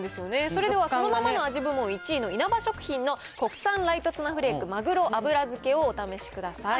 それではそのままの味部門１位の、いなば食品の国産ライトツナフレークまぐろ油漬をお試しください。